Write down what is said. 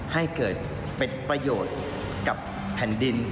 ให้เกิดเป็นประโยชน์กับแผ่นดิน